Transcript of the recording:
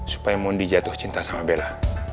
supaya mondi jatuh cinta sama bella